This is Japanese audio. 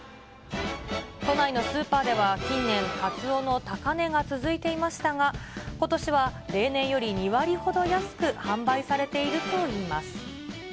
都内のスーパーでは、近年、カツオの高値が続いていましたが、ことしは例年より２割ほど安く販売されているといいます。